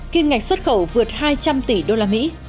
kim ngạch xuất khẩu vượt hai trăm linh tỷ usd